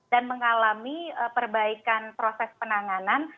dan mengalami perbaikan proses penanganan